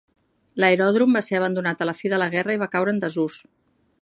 L'aeròdrom va ser abandonat a la fi de la guerra i va caure en desús.